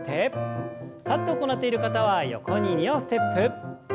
立って行っている方は横に２歩ステップ。